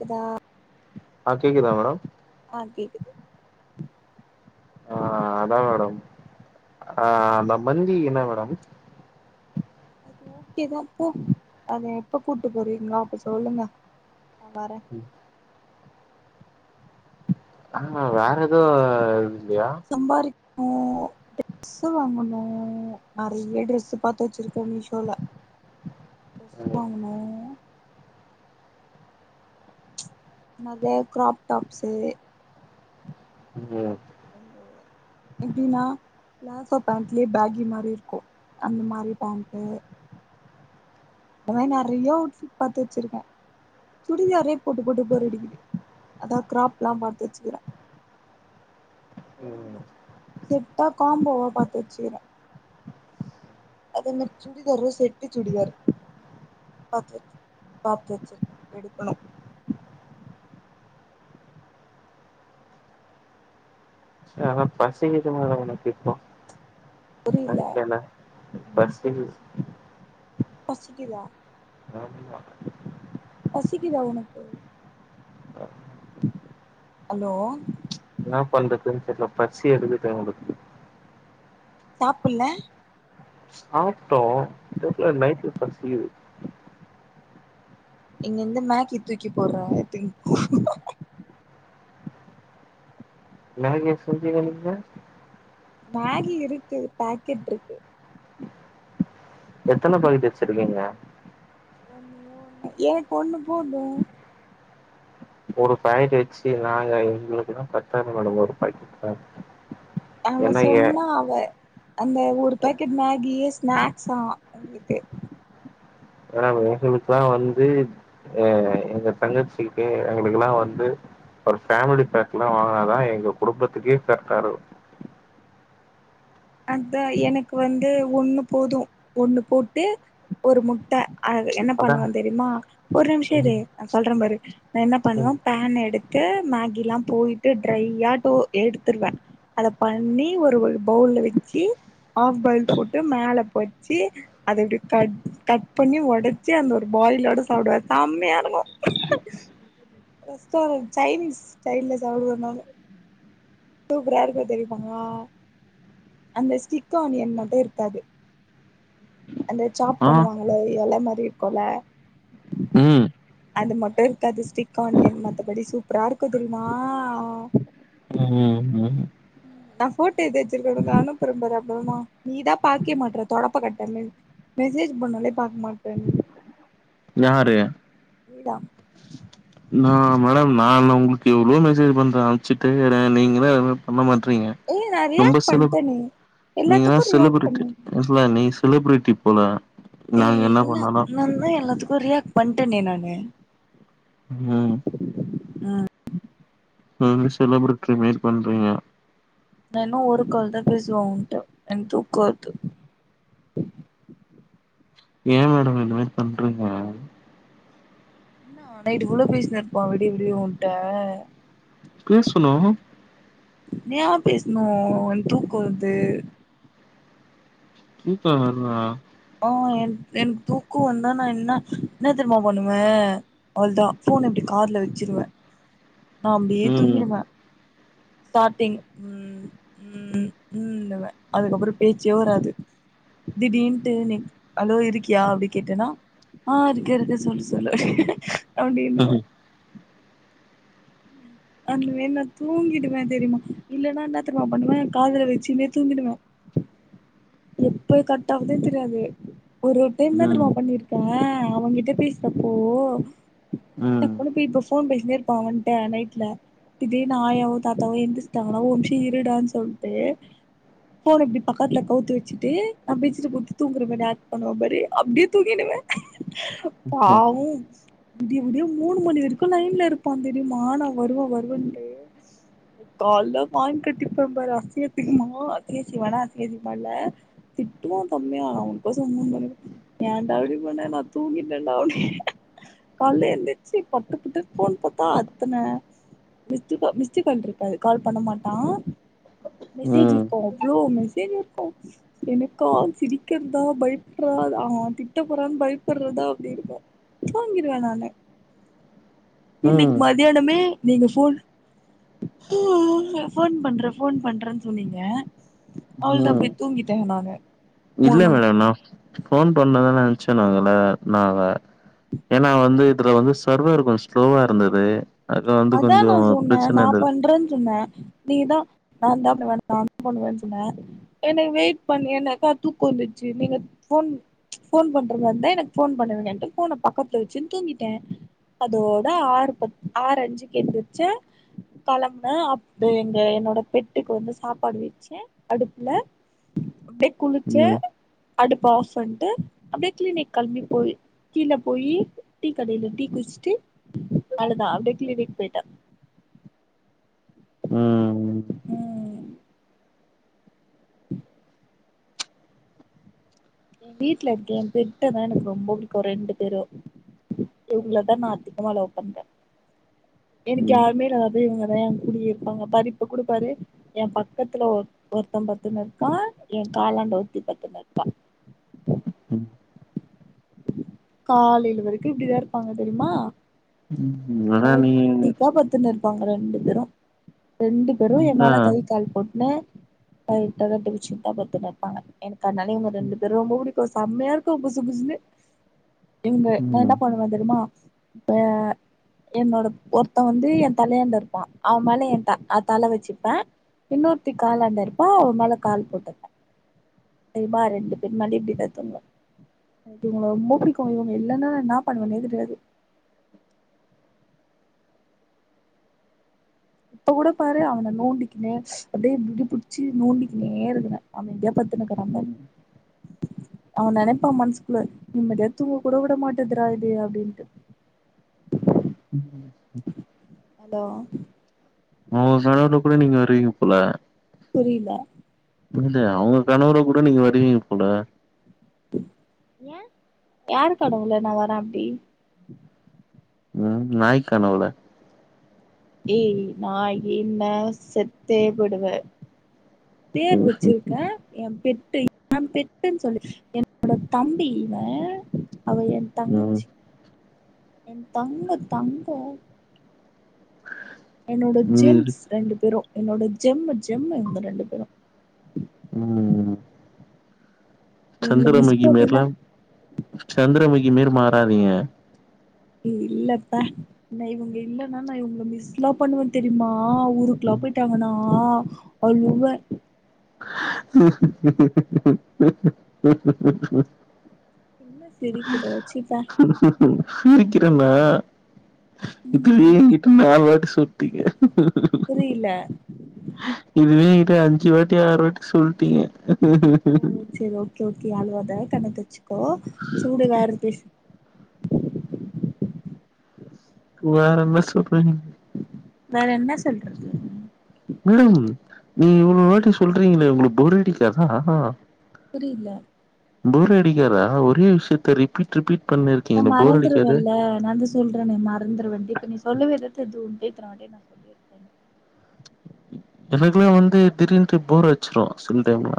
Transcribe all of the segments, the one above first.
கேத ஆ கேக்குதா மேடம் ஆ கேக்குது ஆ அதா மேடம் அ ம் அந்த மந்தி என்ன மேடம் அது ஓகே தா போ அத எப்ப கூட்டு போறீங்களோ அப்ப சொல்லுங்க நா வரே உம் [inaudible] ஆமா வேற எதோ இல்லையா சம்பாரிக்னு ட்ரெஸ் வாங்கணு நெறைய டிரெஸ் பாத்து வச்சிருக்கே மீஷோல ட்ரெஸ் ம் வாங்கன்னு நெறைய க்ராப் டாப்ஸ்சு ம் எப்டின்னா பிளாசோ பேண்ட்லே பேகி மாரி இருக்கு அந்த மாரி பேண்ட்டு இந்த மாரி நெறையா அவுட் ஃபிட் பாத்து வச்சிருக்கே சுடிதாரே போட்டு போட்டு போர் அடிக்குது அதா கிராப்ல்லா பாத்து வச்சுக்றே ரெடியமேட ம் செட்டா காம்போவா பாத்து வச்சுக்கிற அது என்ன சூடிதாரோ செட்டு சூடிதார் பாத்து வச் பாத்து வச்சிருக்க எடுக்கணு ஆனா பசிக்கிது மேடம் எனக்கு இப்போ புரில நைட் வேல பசிக்குது பசிக்கிதா ஆமா பசிக்கிதா உனக்கு ஹலோ என்ன பண்றதுன்னு தெரியல பசி எடுதுக்குது எனக்கு சாப்பில்ல சாப்ட்டோ தெர்ல நைட்டு பசிகிது இங்க இருந்து மேக்கி தூக்கி போடுறே எடுத்துகோ மேகிய செஞ்சீங்க நீங்க மேகி இருக்கு பாக்கெட் இருக்கு எத்தன பாக்கெட் வச்சிருக்கீங்க ஒன்னே ஒன்னு எனக்கு ஒன்னு போது ஒரு பாக்கெட் வச்சு நாங்க எங்களுக்ளா பத்தாது மேடம் ஒரு பாக்கெட் அவ சொன்னா அவ அந்த ஒரு எ பாக்கெட் மேகியே ஸ்நாக்ஸ் ஆ உங்ளுக்கு மேடம் எங்களுக்கெல்லா வந்து அ எங்க தங்கச்சிக்கு எங்கக்கெல்லா வந்து ஒரு ஃபேமிலி பேக்ல்லா வாங்கினாதா எங்க குடும்பத்துக்கே ஃகரெட்டா இருக்கு அதா எனக்கு வந்து ஒண்ணு போது ஒண்ணு போட்டு ஒரு முட் ட அத என்ன அதா பண்ணுவே தெரியுமா ஒரு நிமிஷோ ம் இரு நா சொல்றே பாரு நா என்ன பண்ணுவே பேன் எடுத்து மேகில்லா போயிட்டு ட்ரையா டு எடுத்துடுருவே அத பண்ணி ஒரு பவுல்ல வச்சு ஆஃப் பாயில் போட்டு மேல போச்சு அத இப்டி கட் கட் பண்ணி உடச்சு அந்த ஒரு பாயிலோட சாப்டுவே செம்மையா இருக்கு ரெஸ்டார்ன்ட் சைனீஸ் ஸ்டைல்ல சாப்டுவே நானு சூப்பரா இருக்கு தெரியுமாங்கா அந்த ஸ்டிக் ஆனியன் மட்டு இருக்காது அந்த சாப் பண்ணுவாங்கள இல மாரி இருக்குல ம் ம் அது மட்டு இருக்காது ஸ்டிக் ஆனியன் மத்தபடி சூப்பரா இருக்கு தெரியுமா ம் ம் ம் நா ஃபோட்டோ எத்துவச்சிருக்கே உனக்கு நா அனுப்புற பாரு அப்புறமா நீதா பாக்கவே மாட்ற தொடப்பகட்ட மெரி மெசேஜ் பண்ணாலே பாக்க மாட்டன் யாரு நீதா நா மேடம் நான் உங்களுக்கு எவ்ளோ மெசேஜ் பண்ற அம்ச்சிட்டே இருக்க நீங்களே எதுமே பண்ண மாட்றீங்க ஏய் நா ரொம்ப ரியாக்ட் செலுப் பண்ட்டனே நீங்கதா எல்லாத்துக்கு ரியாக்ட் செலுபிரிட்டி பண்ணே என் சொல நீ செலிபிரிட்டி போல நாங்க ஏய் என்ன இன்னா பண்ணாலு நாந்தா எல்லாத்துக்கு ரியாக்ட் பண்ட்டனே நானு ம் செலபிரிட்டி மெரி பண்றீங்க ந இன்னு ஒரு கால் தா பேசுவ உன்ட்ட எனக்கு தூக்க வருது ஏ மேடம் இந்தமாரி பண்றிங்க என்ன நைட்டு ஃபுல்லு பேசினுருப்ப விடிய விடிய உன்ட்ட பேசுனு யா பேசனு எனக் தூக்க வருது தூக்க வருதா ஆ என் எனக் தூக்க வந்தா நா என்ன என்ன தெரிமா பண்ணுவே அவளதா ஃபோன இப்டி காதுல வச்சிருவ [inaudible] நா அப்டியே ம் தூங்கிறுவ ஸ்டாடிங் ம் ம் ம் ன்னுவ அதுக்கப்பற பேச்சே வராது திடீனு டுனு அளோ இருக்கியா அப்டி கேட்டனா அ இருக்க இருக்க சொல்லு சொல்லு அப்டி அப்டின் [unintelligible] அதுல வேணா தூங்கிடுவே தெரியுமா இல்லனா ன்னா தெரிமா பண்ணுவ காதுல வச்சுனே தூங்கிடுவ எப்ப கட் ஆகுது தெரியாது ஒரு டைம் என்ன ம் தெரியுமா பண்ணிருக் ஏ அவங்கிட்ட பேசுறப்போ ம் தப்புன்னு போய் இப்போ ஃபோன் பேசின்னே இருப்பா அவன்ட நைட் ல திடீனு ஆயாவு தாத்தாவு எந்திஸ்டாங்கனா ஒரு நிம்ஷ இருடான்னு சொல்ட்டு போன இப்டி பக்கத்துல கவுத்துவிட் சிட்டு நா பெட்சீட்ட போத்தி தூங்குற மாரி ஆக்ட் பண்ணுவ பாரு அப்டியே தூங்கிடுவ பாவு விடிய விடிய மூணு மணி வரைக்கு லைன்ல இருப்பா தெரிமா நா வருவ வருவன்டு கால்ல வாங்கி கட்டிப்ப பாரு அசிங்க அசிங்கமா அசிங்க அசிங்கமானா அசிங்க அசிங்கமால்ல திட்டுவா செம்மையா உனக்கு கோச முணு மணி வரைக் ஏண்டா அப்படி பண்ண நா தூங்கிடண்டா அப்டி கால்ல எந்திச்சு பட்டு பட்டுனு போன் பாத்தா அத்தன மிஸ்டுகா மிஸ்டுகால் இருக்காது கால் பண்ண மாட்டா மெசேஜ் இருக்கு அவ்ளோ மெசேஜ் இருக்கு எனக்கா சிரிக்கிறதா பயப்படுறா ஆ திட்டப்போறா பயபடுறதா அப்டி இருக்கு தூங்கிருவ நானு இன்னைக்கு ம் மதியானமே நீங்க ஃபோன் ஃபோன் பண்ற ஃபோன் பண்றன் சொன்னீங்க அவள தா ம் போய் தூங்கிட் ட நானு மூணு இல்ல மணிக்கு மேடம் நா ஃபோன் பண்ணனு தா நெனைச்சே நாகளே நாவே ஏன்னா வந்து இதுல வந்து சர்வர் கொஞ்ச ஸ்லோவா இருந்தது அது வந்து அதா கொஞ்சோ நா சொன்ன பிரச்சன நா இருந்தது பண்றன் சொன்ன நீதா நா தா பண்ணுவ நா தா பண்ணுவன் சொன்ன என்னக் வெயிட் பண்ணு எனக்கா தூக்கு வந்துச்சு நீங்க ஃபோன் போன் பண்றதா இருந்தா எனக்கு போன் பண்ணுவீங்கன்ட்டு போன பக்கத்லவச்சு தூங்கிட்டே அதோட ஆறு பத் ஆறு அஞ் க்கு எந்துர்ச்சே களம்ன அது எங்க என்னோட பெட்டுக்கு வந்து சாப்பாடு வெச்சே அடுப்ல அப்டே குளுச்சே ம் அடுப்ப ஆஃப் பண்ட்டு அப்டே கிளினிக் கல்ம்பி போய் கீழ போயி டீ கடைல டீ குஸ்ட்டு அவ்ளதா அப்டே கிளினிக் பொய்ட்டே ம் ம் எ வீட்ல இருக்கே ஏ பெட்ட தா எனக்கு ரொம்ப புடிக்கு ரெண்டு பேரு இவ்ங்ளதா நா அதிகமா லவ் பண்ற எனக்கு ம் யாருமே இல்லாதபோ இவங்கதா எ கூடயே இருப்பாங்க பாரு இப்போ கூட பாரு எ பக்கத்துல ஒர் ஒருத்த பத்துனுருக்கா எ காலாண்ட ஒருத்தி பத்துன்னுருக்கா ம் காலைல வரைக்கு இப்டிதா இருப்பாங்க தெரியுமா ம் என்ன ஆனா நீங்க ஒட்டிதா பத்துனுரு அவங்க ரெண்டு பேரு ரெண்டு பேரு எ அதா மேல கை கால் போட்னு டைட்டா கட்டி புடிச்சுனு தா பத்துனுருப்பாங்க எனக்கு அதனால இவ்ங்க ரெண்டு ரொம்ப புடிக்கு செம்மையா இருக்கு புசுபுசுனு இவங்க ம் நா என்ன பண்ணுவே தெரியுமா அ என்னோட ஒருத்த வந்து எ தலையாண்ட இருப்பா அவ மேல எ த தல வச்சுப்பே இன்னொருத்தி காலாண்டாயிருப்பா அவ மேல கால் போட்டுபே தெரிமா ரெண்டு பேரு மேலயு இப்டிதா தூங்குவ க்கு இவங்கள ரொம்ப புடிக்கு இவங்க இல்லனா என்ன பண்ணுவனே தெரியாது இப்ப கூட பாரு அவன நோண்டிக்கினே அப்டே முடிய புச்சு நோண்டிக்கினே இருக்கிற ஆமைதியா பத்துன்னுக்குரா பாரு [inaudible] அவ நெனைப்பா மன்சுகுள்ள நிம்மதியா தூங்க கூட விட மாட்டதுரா இது அப்டின்ட்டு ம் அலோ [unintelligible] பண்ண நீங்க வருவீங்க போல புரில இல்ல அவ்ங்க கனவுல கூட நீங்க வருவீங்க பொல ஏ யாரு கனவுல நா வர அப்டி ம் நாய் கனவுல ஏய் நாய்கீன செத்தே போய்டுவ பேர் வச்சிர்க்க எ பெட்டு எ பெட்டுன் சொல்லு என்னோட தம்பி இவ அவ எ தங்கச்சி என் தங்கோ தங்கோ என்னோட ம் ஜெம்ஸ் ரெண்டு பேரு என்னோட ஜெம்மு ஜெம்மு இந்த ரெண்டு பேரு ம் இவங்கள மிஸ் சந்தரமுகி பண்ணினா மேர்லம் சந்தரமுகி மேறு மாறாதீங்க இல்லப்ப ந இவ்ங்க இல்லன்னா நா இவ்ங்கள மிஸ்லா பண்ணுவ தெரிமா உரு க்லா பொய்ட்டாங்கனா அழுவ [inaudible] என்ன சிரிக்கிற சி பே சிரிக்கிறன்னா இதுவே ம் எ கிட்ட நால் வாட்டி சொட்டீங்க புரியல இதுவே எ கிட்ட அஞ்சு வாட்டி ஆறு வாட்டி சொல்டீங்க செரி ஓகே ஓகே அழ்வாத கண்ண தொச்சுக்கோ ச்சூடு வேற பேசு வேறன்ன சொல்றங்க வேற என்ன சொல்றது மேடம் நீ இவ்ளோ வாட்டி சொல்றீங்ளே உங்களுக்கு போரேடிக்காதா புரியில்ல போரே அடிக்காதா ஒரே விஷ்யத்த ரிப்பீட் ரிப்பீட் பண்ணிருக்கீங்ளே போர் அடிக்காது அ நாந்தா சொ சொல்றனே மறந்ருவந்து இப்ப நீ சொல்லுவிதத்ல [unintelligible] எனக்குல்லா வந்து திடீற்ன்டு போர் அடுச்சுறு சம் டைம்ல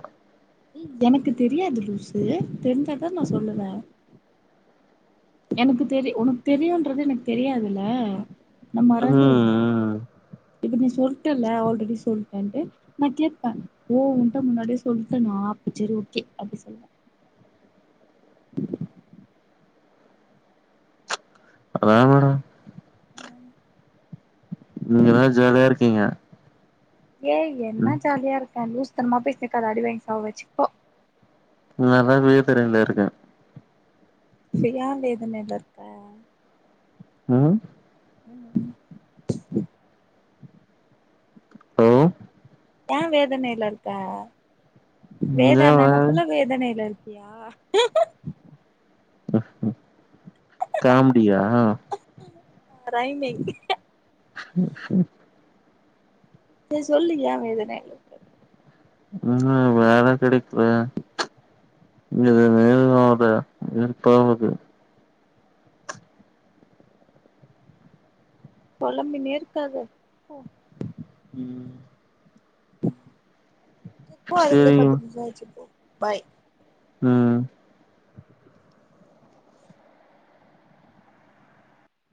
எனக்கு தெரியாது லூசு தெருஞ்சாதா நா சொல்லுவே எனக்கு தெரி ஒனக்கு தெரியுன்றது எனக்கு தெரியாதுல்ல நா ம் மறந்துறுவேல்ல ம் இப்ப நீ சொல்ட்டல்ல ஆல்ரெடி சொல்ட்டன்ட்டு நா கேப்பே ஓ உன்ட்ட முன்னாடியே சொல்டனா அப்ப சரி ஓகே அப்டி சொல்வே அதா மேடம் ம் நீங்கதா ஜாலியா இருக்கீங்க ஏய் என்ன ம் ஜாலியா இருக்கே லூஸ்தனமா பேசிற்காத அடி வாங்கி சாவச்சு போ நாலா [unintelligible] இருக்கே சரியான இது மேல இருக்க ம் ம் ஹலோ ஏ வேதனேல இருக்க வேதா இங்க வா நெனப்புல வே வேதனேல இருக்கியா காமடியா ரைமிங் உம் உம் சரி சொல்லு ஏ வேதனேல ம் வேல கெடக்கல இங்க [unintelligible] வெறுப்பாவுது பொலம்பினே இருக்காத போ ம் இப்போ அதுக்குள்ளயு சேரி பத்து நிமிஷோ ஆச்சு போ பாய் ம்